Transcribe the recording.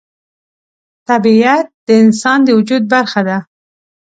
طبیعت د انسان د وجود برخه ده.